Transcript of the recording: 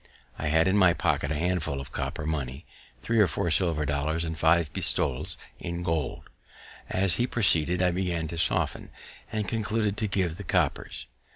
I had in my pocket a handful of copper money, three or four silver dollars, and five pistoles in gold. As he proceeded I began to soften, and concluded to give the coppers.